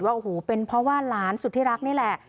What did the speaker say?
ว่าโอ้โหเป็นเพราะว่าหลานสุดที่รักนี่แหละ